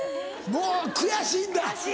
もう悔しいんだ